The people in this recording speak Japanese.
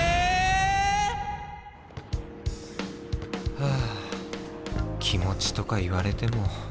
⁉ハァ気持ちとか言われても。